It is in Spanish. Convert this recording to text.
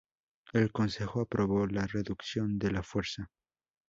El Consejo aprobó la reducción de la fuerza.